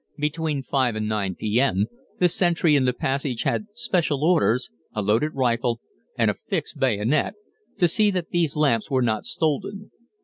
Between 5 and 9 p.m. the sentry in the passage had special orders, a loaded rifle, and a fixed bayonet, to see that these lamps were not stolen.